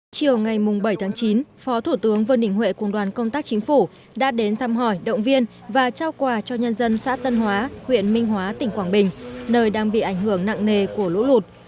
chiều ngày bảy chín phó thủ tướng vương đình huệ cùng đoàn công tác chính phủ đã đến thăm hỏi động viên và trao quà cho nhân dân xã tân hóa huyện minh hóa tỉnh quảng bình nơi đang bị ảnh hưởng nặng nề của lũ lụt